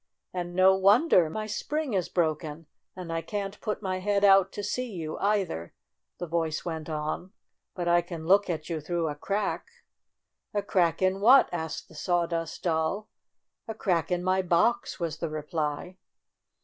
"And no wonder! My spring is brok en, and I can't put my head out to see you, either," the voice went on. "But I can look at you through a crack." "A crack in what?" asked the Sawdust Doll. "A crack in my box," was the reply.